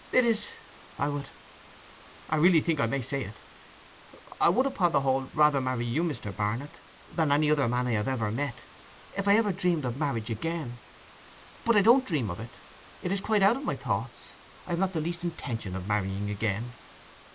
'It is—I would—I really think I may say it—I would upon the whole rather marry you, Mr. Barnet, than any other man I have ever met, if I ever dreamed of marriage again. But I don't dream of it—it is quite out of my thoughts; I have not the least intention of marrying again.